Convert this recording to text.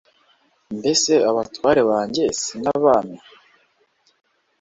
mbese abatware banjye si n'abami